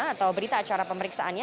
atau berita acara pemeriksaannya